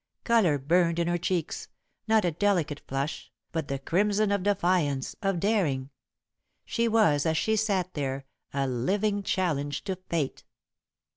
Colour burned in her cheeks not a delicate flush, but the crimson of defiance, of daring. She was, as she sat there, a living challenge to Fate.